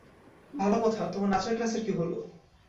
ভালো কথা, তোমার নাচের ক্লাসের কী হলো?